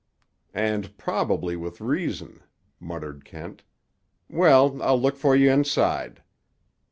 "And probably with reason," muttered Kent. "Well, I'll look for you inside."